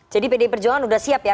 jadi pd purjohan udah siap ya